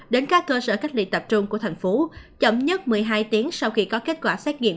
đến các cơ sở cách ly tập trung của thành phố chậm nhất một mươi hai tiếng sau khi có kết quả xét nghiệm